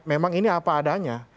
memang ini apa adanya